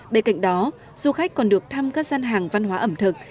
bên cạnh đó du khách còn được thăm các gian hàng văn hóa ẩm thực